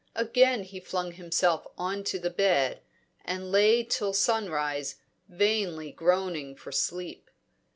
Again he flung himself on to the bed, and lay till sunrise vainly groaning for sleep.